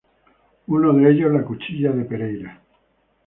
Uno de ellos, la Cuchilla de Pereira...